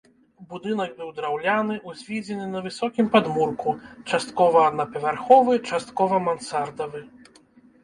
Будынак быў драўляны, узведзены на высокім падмурку, часткова аднапавярховы, часткова мансардавы.